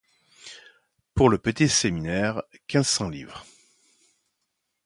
Pour le petit séminaire: quinze cents livres.